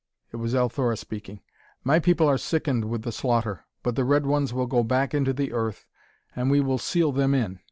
It was Althora speaking. "My people are sickened with the slaughter. But the red ones will go back into the earth, and we will seal them in!